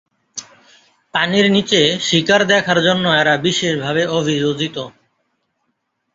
পানির নিচে শিকার দেখার জন্য এরা বিশেষভাবে অভিযোজিত।